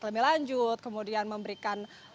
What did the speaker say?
lebih lanjut kemudian memberikan